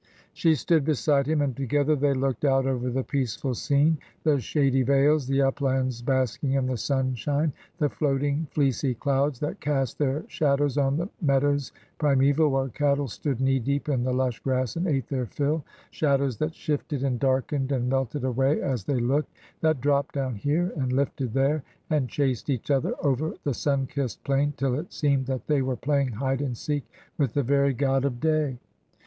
'' She stood beside him, and together they looked out over the peaceful scene— the shady vales, the uplands basking in the sunshine, the floating fleecy clouds that cast their shadows on meadows primeval where cattle stood knee deep in the lush grass and ate their fill — shadows that shifted and darkened and melted away as they looked— that dropped down here, and lifted there, and chased each other over the sun kissed plain till it seemed that they were playing hide and seek with the very god of day.